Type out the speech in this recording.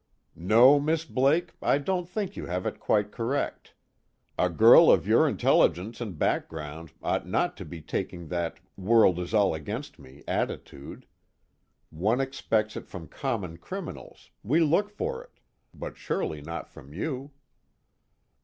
"No, Miss Blake, I don't think you have it quite correct. A girl of your intelligence and background ought not to be taking that world is all against me attitude. One expects it from common criminals we look for it but surely not from you."